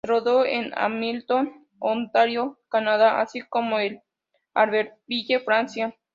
Se rodó en Hamilton, Ontario, Canadá, así como en Albertville, Francia.